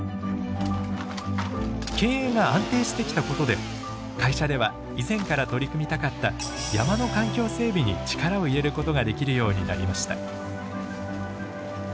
経営が安定してきたことで会社では以前から取り組みたかった山の環境整備に力を入れることができるようになりました。